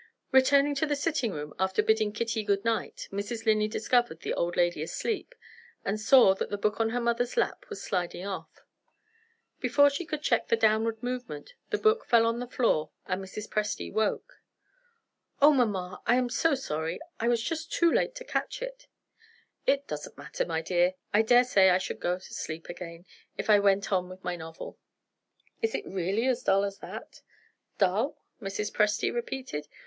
Returning to the sitting room after bidding Kitty goodnight, Mrs. Linley discovered the old lady asleep, and saw that the book on her mother's lap was sliding off. Before she could check the downward movement, the book fell on the floor, and Mrs. Presty woke. "Oh, mamma, I am so sorry! I was just too late to catch it." "It doesn't matter, my dear. I daresay I should go to sleep again, if I went on with my novel." "Is it really as dull as that?" "Dull?" Mrs. Presty repeated.